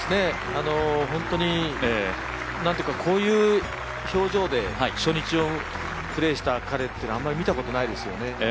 本当に、なんていうかこういう表情で、初日をプレーした彼はあまり見たことがないですよね。